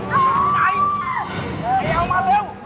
ไอ้ไหนไอ้เอามาเร็ว